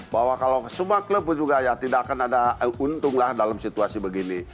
bahwa kalau semua klub juga ya tidak akan ada untunglah dalam situasi begini